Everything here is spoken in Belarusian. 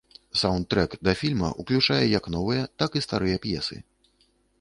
Саўндтрэк да фільма ўключае як новыя, так і старыя п'есы.